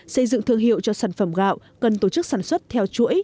xây dựng thương hiệu cho sản phẩm gạo cần tổ chức sản xuất theo chuỗi